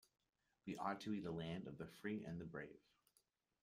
We ought to be the land of the free and the brave.